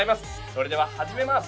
それでは始めます